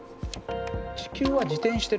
地球は自転してる。